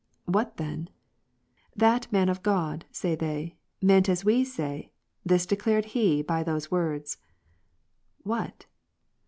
"What then?" "That man of God," say they, "meant as we say, this declared he by those words." "What?"